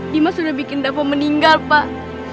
limas udah bikin dapo meninggal pak